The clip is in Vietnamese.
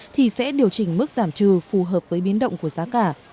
thì sẽ điều chỉnh mức giảm trừ phù hợp với biến động của giá cả